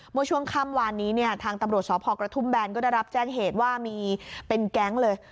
เมื่อช่วงค่ำวานนี้เนี่ยทางตำรวจสพกระทุ่มแบนก็ได้รับแจ้งเหตุว่ามีเป็นแก๊งเลย